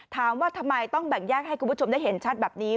ถามว่าทำไมต้องแบ่งแยกให้คุณผู้ชมได้เห็นชัดแบบนี้